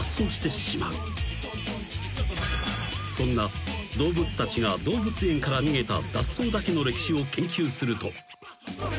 ［そんな動物たちが動物園から逃げた脱走だけの歴史を研究すると］